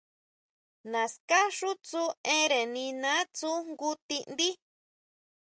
Naská xu tsú énnre niná tsú jngu ti ndí.